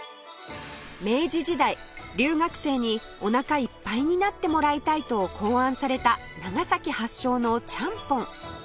明治時代留学生にお腹いっぱいになってもらいたいと考案された長崎発祥のちゃんぽん